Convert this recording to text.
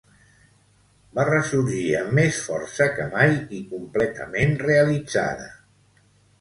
Va ressorgir amb més força que mai i completament realitzada.